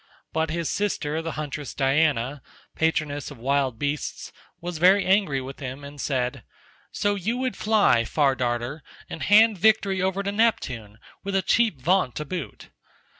But his sister the huntress Diana, patroness of wild beasts, was very angry with him and said, "So you would fly, Far Darter, and hand victory over to Neptune with a cheap vaunt to boot.